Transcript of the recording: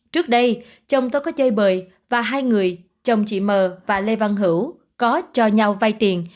trước đây chồng tôi có chơi bời và hai người chồng chị m và lê văn hữu có cho nhau vay tiền